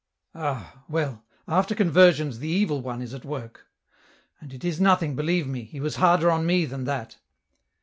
Ah ! well, after conversions the Evil One is at work ; and it is nothing, believe me , he was harder on me than that."